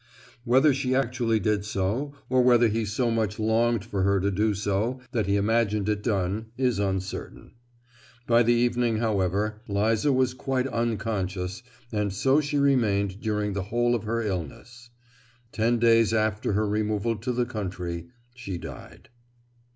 Whether she actually did so, or whether he so much longed for her to do so that he imagined it done, is uncertain. By the evening, however, Liza was quite unconscious, and so she remained during the whole of her illness. Ten days after her removal to the country she died.